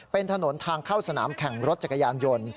เป็นถนนทางเข้าสนามแข่งรถจักรยานยนต์